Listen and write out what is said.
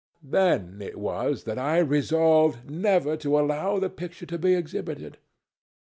Then it was that I resolved never to allow the picture to be exhibited.